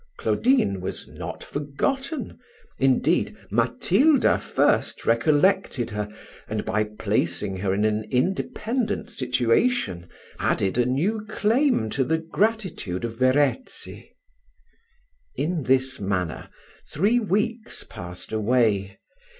Claudine was not forgotten: indeed, Matilda first recollected her, and, by placing her in an independent situation, added a new claim to the gratitude of Verezzi. In this manner three weeks passed away.